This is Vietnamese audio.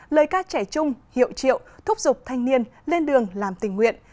lời ca trẻ chung hiệu triệu thúc giục thanh niên lên đường làm tình nguyện